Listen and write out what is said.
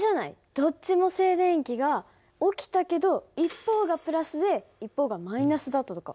どっちも静電気が起きたけど一方がで一方がだったとか。